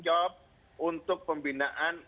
job untuk pembinaan